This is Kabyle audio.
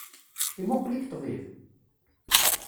Imuqel-ik ṭṭbib?